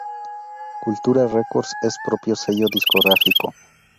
Culturas Records es su propio sello discográfico.